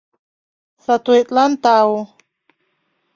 Сатуэтлан тау.